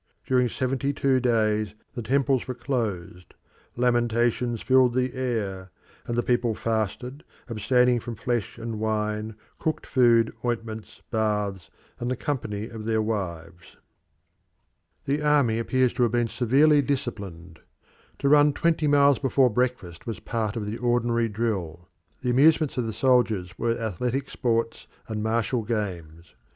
During seventy two days the temples were closed; lamentations filled the air; and the people fasted, abstaining from flesh and wine, cooked food, ointments, baths, and the company of their wives. The Army appears to have been severely disciplined. To run twenty miles before breakfast was part of the ordinary drill. The amusements of the soldiers were athletic sports and martial games.